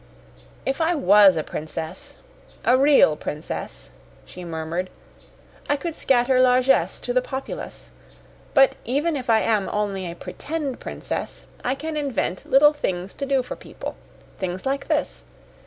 "If I WAS a princess a REAL princess," she murmured, "I could scatter largess to the populace. But even if I am only a pretend princess, I can invent little things to do for people. Things like this.